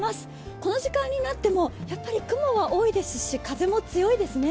この時間になってもやっぱり雲は多いですし風も強いですね。